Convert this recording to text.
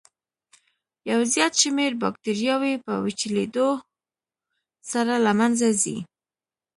یو زیات شمېر باکتریاوې په وچېدلو سره له منځه ځي.